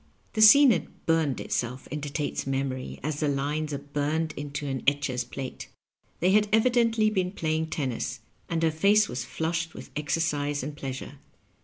The scene had burned itself into Tate's memory as the lines are burned into an etcher's plate. They had evi dently been playing tennis, and her face was flushed with exercise and pleasure.